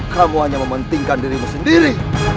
kamu hanya mementingkan dirimu sendiri